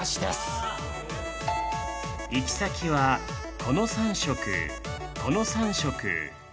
行き先はこの３色この３色。